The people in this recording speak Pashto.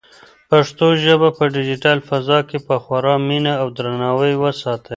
پښتو ژبه په ډیجیټل فضا کې په خورا مینه او درناوي وساتئ.